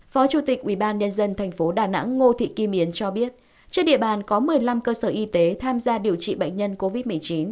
phó chủ tịch ubnd tp đà nẵng ngô thị kim yến cho biết trên địa bàn có một mươi năm cơ sở y tế tham gia điều trị bệnh nhân covid một mươi chín